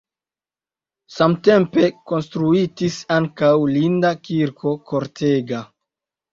Samtempe konstruitis ankaŭ linda kirko kortega.